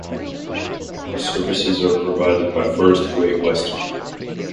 Services are provided by First Great Western.